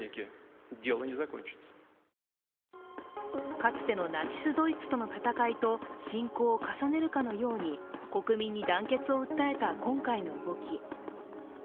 かつてのナチス・ドイツとの戦いと侵攻を重ねるかのように国民に団結を訴えた今回の動き。